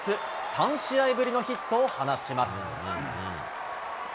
３試合ぶりのヒットを放ちます。